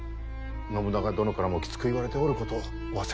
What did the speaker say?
信長殿からもきつく言われておることをお忘れなく。